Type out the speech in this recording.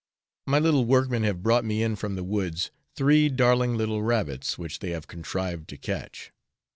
My little workmen have brought me in from the woods three darling little rabbits which they have contrived to catch.